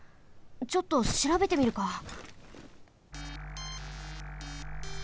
ちょっとしらべてみるか。